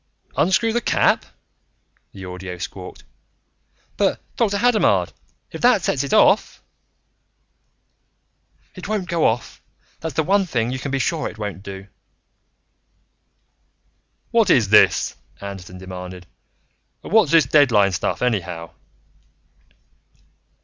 "Unscrew the cap?" the audio squawked. "But Dr. Hadamard, if that sets it off " "It won't go off. That's the one thing you can be sure it won't do." "What is this?" Anderton demanded. "And what's this deadline stuff, anyhow?"